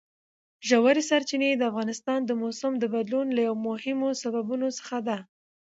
ژورې سرچینې د افغانستان د موسم د بدلون یو له مهمو سببونو څخه ده.